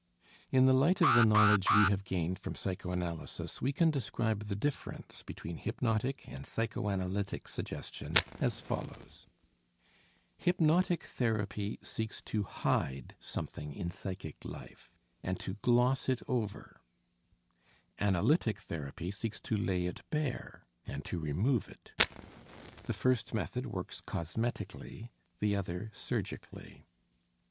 In the light of the knowledge we have gained from psychoanalysis we can describe the difference between hypnotic and psychoanalytic suggestion as follows: Hypnotic therapy seeks to hide something in psychic life, and to gloss it over; analytic therapy seeks to lay it bare and to remove it. The first method works cosmetically, the other surgically.